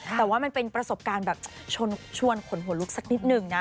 แต่ว่ามันเป็นประสบการณ์แบบชวนขนหัวลุกสักนิดหนึ่งนะ